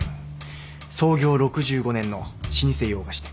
創業６５年の老舗洋菓子店。